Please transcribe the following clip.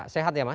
sehat ya mas